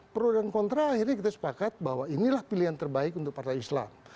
pro dan kontra akhirnya kita sepakat bahwa inilah pilihan terbaik untuk partai islam